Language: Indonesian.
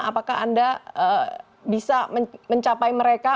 apakah anda bisa mencapai mereka